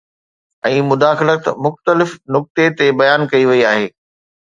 ۽ مداخلت مختلف نقطي تي بيان ڪئي وئي آهي